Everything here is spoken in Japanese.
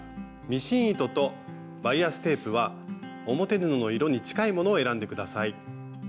ミシン糸とバイアステープは表布の色に近いものを選んで下さい。